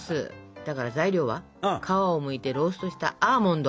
だから材料は皮をむいてローストしたアーモンド。